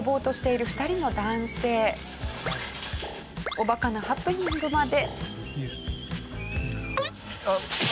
おバカなハプニングまで。